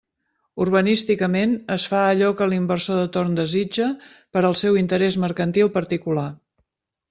Urbanísticament es fa allò que l'inversor de torn desitja per al seu interés mercantil particular.